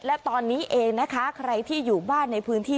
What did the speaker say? และตอนนี้เองนะคะใครที่อยู่บ้านในพื้นที่